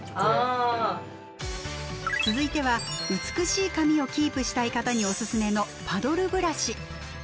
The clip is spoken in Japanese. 続いては美しい髪をキープしたい方におすすめのパドルブラシ。